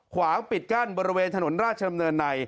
ขวางปิดกั้นบริเวณถนนราชดำเนินใน